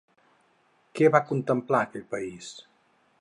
Què va contemplar a aquell país?